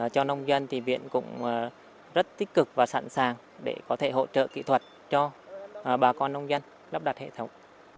cho nông dân thì viện cũng rất tích cực và sẵn sàng để có thể hỗ trợ kỹ thuật cho bà con nông dân lắp đặt hệ thống